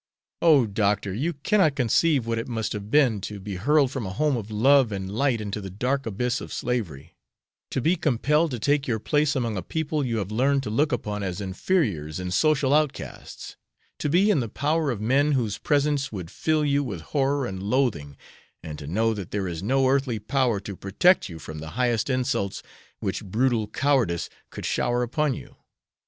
'" "Oh, Doctor, you cannot conceive what it must have been to be hurled from a home of love and light into the dark abyss of slavery; to be compelled to take your place among a people you have learned to look upon as inferiors and social outcasts; to be in the power of men whose presence would fill you with horror and loathing, and to know that there is no earthly power to protect you from the highest insults which brutal cowardice could shower upon you.